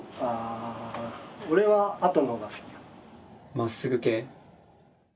まっすぐ系？